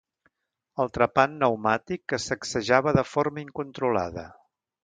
El trepant neumàtic es sacsejava de forma incontrolada.